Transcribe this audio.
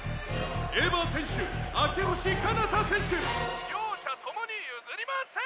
「エヴァ選手明星かなた選手両者ともに譲りませーん！」